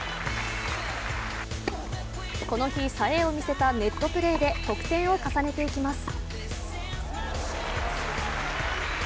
この日、冴えを見せたネットプレーで得点を重ねていきます。